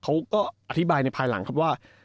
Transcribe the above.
เขาก็อธิบายในภายหลังครับว่า